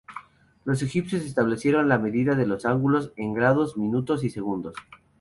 Los egipcios establecieron la medida de los ángulos en grados, minutos y segundos.